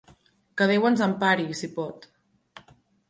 Que Déu ens empari, si pot!